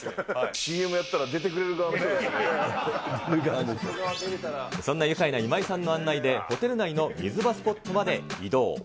ＣＭやったら出てくれる側のそんな愉快な今井さんの案内で、ホテル内の水場スポットまで移動。